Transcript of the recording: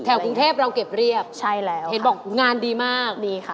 กรุงเทพเราเก็บเรียบใช่แล้วเห็นบอกงานดีมากดีค่ะ